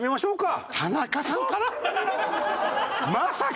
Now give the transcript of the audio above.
まさかの。